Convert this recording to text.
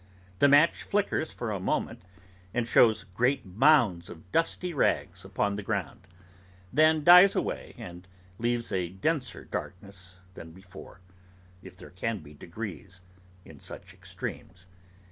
The match flickers for a moment, and shows great mounds of dusty rags upon the ground; then dies away and leaves a denser darkness than before, if there can be degrees in such extremes.